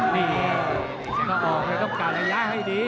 นี่ต้องออกในรอบการระยะให้ดี